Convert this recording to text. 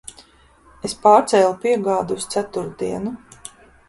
Es pārcēlu piegādi uz ceturtdienu.